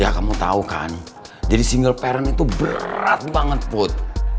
ya kamu tahu kan jadi single parent itu berat banget put